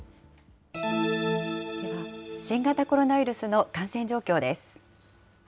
では新型コロナウイルスの感染状況です。